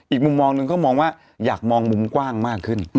อีกมุมมองหนึ่งเขามองว่าอยากมองมุมกว้างมากขึ้น